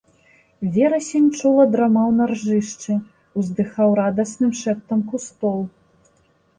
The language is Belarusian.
Верасень чула драмаў на ржышчы, уздыхаў радасным шэптам кустоў.